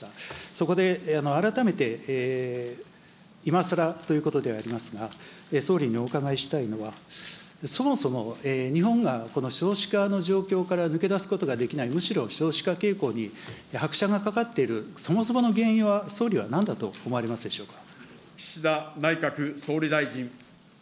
そこで改めて、いまさらということではありますが、総理にお伺いしたいのは、そもそも日本がこの少子化の状況から抜け出すことができない、むしろ少子化傾向に拍車がかかっている、そもそもの原因は総理はなんだと思われますでしょうか。